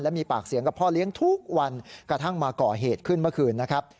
มีปากเสียงกับพ่อเลี้ยงทุกวันกระทั่งมาก่อเหตุขึ้นเมื่อคืนนะครับ